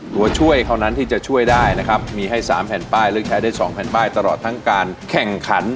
ตัวช่วยเท่านั้นที่จะช่วยได้นะครับมีให้๓แผ่นป้ายเลือกใช้ได้๒แผ่นป้ายตลอดทั้งการแข่งขัน